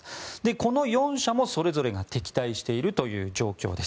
この４者も、それぞれが敵対している状況です。